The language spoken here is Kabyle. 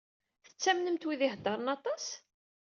Tettamnemt wid i iheddṛen aṭas?